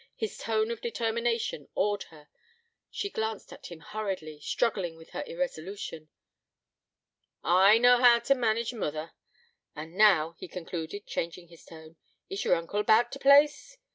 His tone of determination awed her: she glanced at him hurriedly, struggling with her irresolution. 'I knaw hoo t' manage mother. An' now,' he concluded, changing his tone, 'is yer uncle about t' place?'